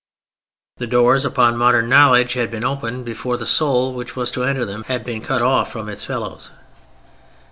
The doors upon modern knowledge had been opened before the soul, which was to enter them, had been cut off from its fellows.